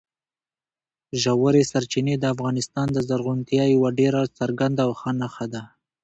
ژورې سرچینې د افغانستان د زرغونتیا یوه ډېره څرګنده او ښه نښه ده.